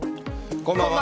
こんばんは。